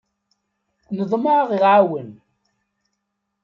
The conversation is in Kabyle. Neḍmeɛ ad aɣ-iɛawen.